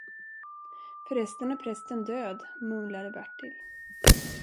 För resten är prästen död, mumlade Bertil.